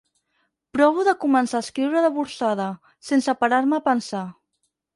Provo de començar a escriure de bursada, sense parar-me a pensar.